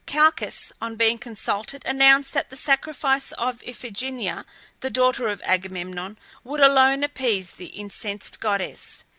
Calchas on being consulted announced that the sacrifice of Iphigenia, the daughter of Agamemnon, would alone appease the incensed goddess.